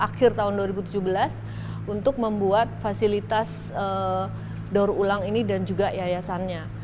akhir tahun dua ribu tujuh belas untuk membuat fasilitas daur ulang ini dan juga yayasannya